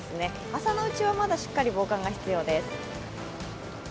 朝のうちはまだしっかり防寒が必要です。